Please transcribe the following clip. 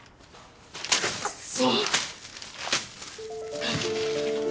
クソ！